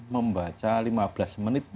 membaca lima belas menit